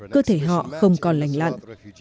cơ thể họ không còn lành lặn